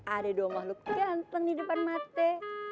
ada dua makhluk ganteng di depan mata